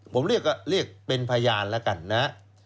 ผมเรียกเป็นพยานแล้วกันนะครับ